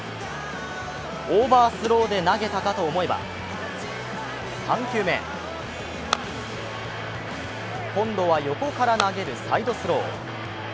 オーバースローで投げたかと思えば３球目今度は横から投げるサイドスロー。